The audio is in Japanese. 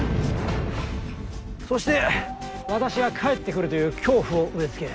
そして私が帰ってくるという恐怖を植え付け。